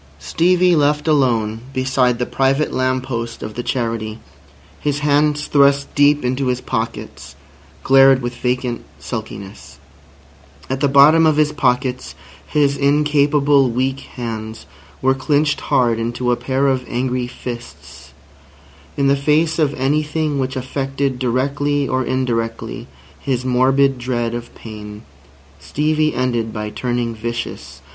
Stevie left alone beside the private lamp post of the Charity, his hands thrust deep into his pockets, glared with vacant sulkiness. At the bottom of his pockets his incapable weak hands were clinched hard into a pair of angry fists. In the face of anything which affected directly or indirectly his morbid dread of pain, Stevie ended by turning vicious.